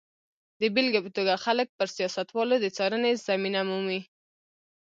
د بېلګې په توګه خلک پر سیاستوالو د څارنې زمینه مومي.